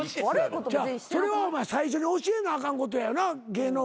それはお前最初に教えなあかんことやな芸能界の。